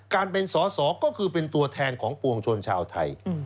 การเป็นสอสอก็คือเป็นตัวแทนของปวงชนชาวไทย